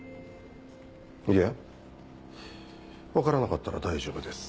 いえ分からなかったら大丈夫です。